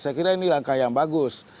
saya kira ini langkah yang bagus